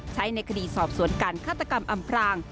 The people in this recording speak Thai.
ในคดีสอบสวนการฆาตกรรมอำพราง